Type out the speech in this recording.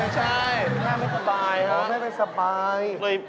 ใช่แม่ไม่สบายครับแม่ไม่สบาย